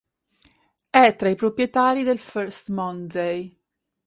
È tra i proprietari del "First Monday".